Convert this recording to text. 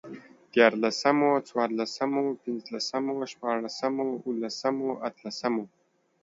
ديارلسمو، څوارلسمو، پنځلسمو، شپاړسمو، اوولسمو، اتلسمو